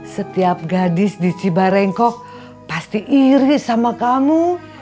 setiap gadis di cibarengkok pasti iri sama kamu